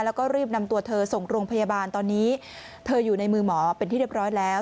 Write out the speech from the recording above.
แล้วก็รีบนำตัวเธอส่งโรงพยาบาลตอนนี้เธออยู่ในมือหมอเป็นที่เรียบร้อยแล้ว